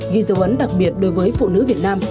ghi dấu ấn đặc biệt đối với phụ nữ việt nam